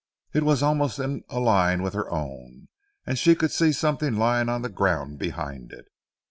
It was almost in a line with her own, and she could see something lying on the ground behind it.